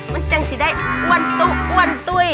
มันจังสิได้อ้วนตุ๊อ้วนตุ้ย